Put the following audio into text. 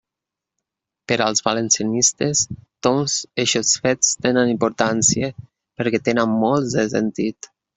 Per als valencianistes, doncs, eixos fets tenen importància perquè tenen molt de sentit.